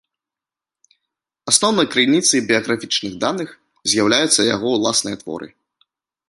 Асноўнай крыніцай біяграфічных даных з'яўляюцца яго ўласныя творы.